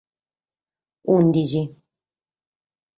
Ùndighi.